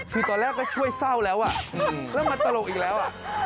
คือตอนแรกก็ช่วยเศร้าแล้วแล้วมันตลกอีกแล้ว